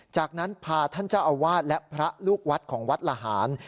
จากนั้นพาท่านเจ้าอาวาสและพระลูกวัดของวัดละหาร